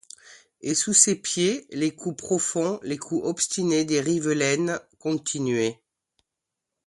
Et, sous ses pieds, les coups profonds, les coups obstinés des rivelaines continuaient.